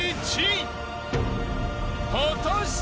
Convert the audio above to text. ［果たして？］